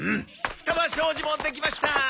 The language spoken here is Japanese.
双葉商事もできました！